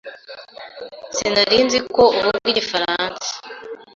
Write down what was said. Sinari nzi ko uvuga igifaransa.